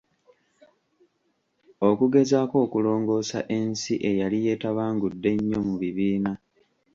Okugezaako okulongoosa ensi eyali yeetabangudde ennyo mu bibiina.